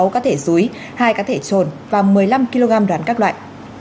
sáu cá thể rúi hai cá thể trồn và một mươi năm kg đoàn các loại